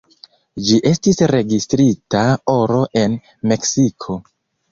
Ĝi estis registrita oro en Meksiko.